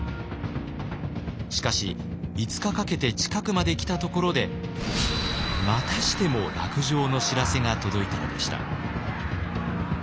しかし５日かけて近くまで来たところでまたしても落城の知らせが届いたのでした。